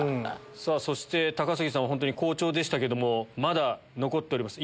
そして高杉さん好調でしたけどまだ残っております。